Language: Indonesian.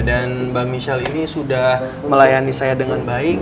dan mbak michelle ini sudah melayani saya dengan baik